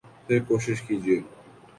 پھر کوشش کیجئے